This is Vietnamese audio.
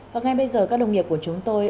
và ngay bây giờ các đồng nghiệp của chúng tôi